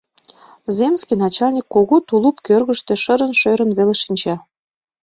Земский начальник кугу тулуп кӧргыштӧ шырын-шӧрын веле шинча.